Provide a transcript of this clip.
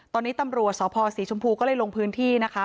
ตอนนี้ตำรวจสพศรีชมพูก็เลยลงพื้นที่นะคะ